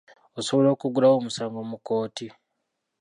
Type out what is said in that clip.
Osobola okuggulawo omusango mu kkooti.